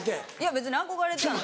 別に憧れてない。